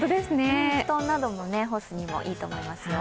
布団なども干すにもいいと思いますよ。